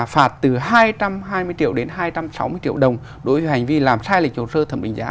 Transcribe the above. phạt từ hai trăm hai mươi triệu đến hai trăm sáu mươi triệu đồng đối với hành vi làm sai lệch hồ sơ thẩm định giá